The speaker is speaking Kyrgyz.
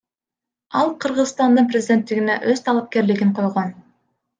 Ал Кыргызстандын президенттигине өз талапкерлигин койгон.